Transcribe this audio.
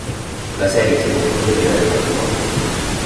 La serie si conclude prima del matrimonio.